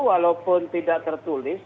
walaupun tidak tertulis